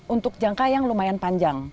untuk jangka yang lumayan panjang